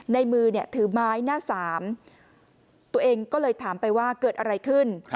ในมือถือไม้หน้าสามตัวเองก็เลยถามไปว่าเกิดอะไรขึ้น